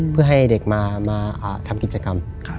เพื่อให้เด็กมาทำกิจกรรม